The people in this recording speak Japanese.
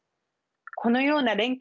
このような連携